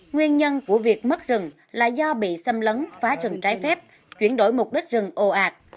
nguyên nhân của việc mất rừng là do bị xâm lấn phá rừng trái phép chuyển đổi mục đích rừng ồ ạt